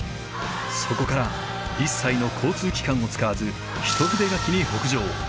そこから一切の交通機関を使わず一筆書きに北上。